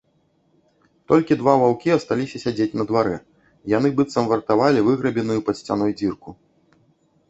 Толькі два ваўкі асталіся сядзець на дварэ, яны быццам вартавалі выграбеную пад сцяной дзірку.